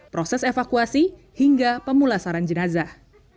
proses evakuasi hingga pemulasaran jenazah